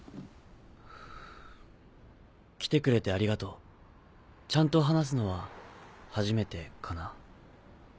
来てくれてありがとうちゃんと話すのは初めてかな？